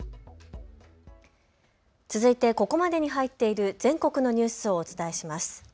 続いてここまでに入っている全国のニュースをお伝えします。